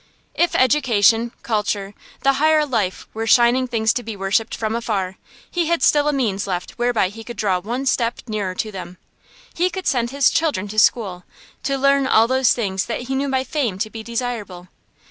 If education, culture, the higher life were shining things to be worshipped from afar, he had still a means left whereby he could draw one step nearer to them. He could send his children to school, to learn all those things that he knew by fame to be desirable.